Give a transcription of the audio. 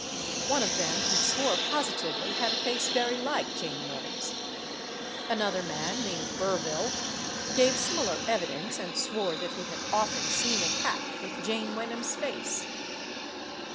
One of them he swore positively had a face very like Jane Wenham's. Another man, named Burville, gave similar evidence, and swore that he had often seen a cat with Jane Wenham's face.